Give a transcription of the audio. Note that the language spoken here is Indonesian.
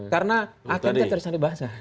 karena akhirnya terus dibahas